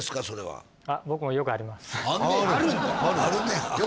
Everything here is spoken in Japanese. それはあっ僕もよくあります